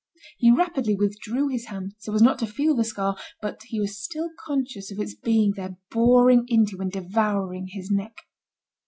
He rapidly withdrew his hand so as not to feel the scar, but he was still conscious of its being there boring into and devouring his neck.